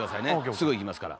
すぐいきますから。